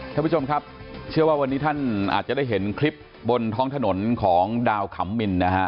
ท่านผู้ชมครับเชื่อว่าวันนี้ท่านอาจจะได้เห็นคลิปบนท้องถนนของดาวขำมินนะฮะ